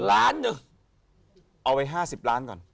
เอาไว้๕๐ล้านก่อน